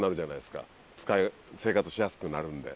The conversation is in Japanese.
生活しやすくなるんで。